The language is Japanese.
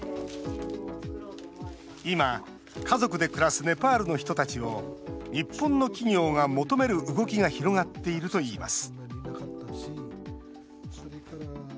今、家族で暮らすネパールの人たちを日本の企業が求める動きが広がっているといいます